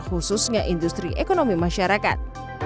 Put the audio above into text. khususnya industri ekonomi masyarakat